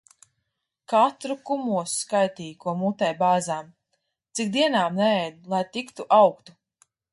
Katru kumosu skaitīja, ko mutē bāzām. Cik dienām neēdu, lai tik tu augtu.